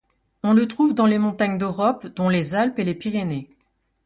On le trouve dans les montagnes d'Europe dont les Alpes et les Pyrénées.